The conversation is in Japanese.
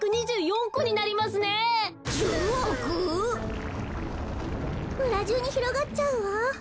むらじゅうにひろがっちゃうわ。